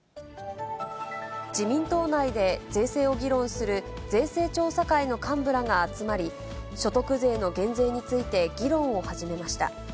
自民党内で税制を議論する税制調査会の幹部らが集まり、所得税の減税について、議論を始めました。